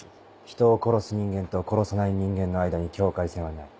人を殺す人間と殺さない人間の間に境界線はない。